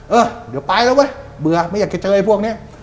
เออเดี๋ยวไปแล้วเว้ยเบื่อไม่อยากจะเจอไอ้พวกนี้